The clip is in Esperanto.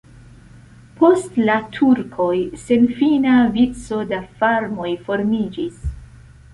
Post la turkoj senfina vico da farmoj formiĝis.